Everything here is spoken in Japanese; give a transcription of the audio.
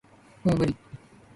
もう無理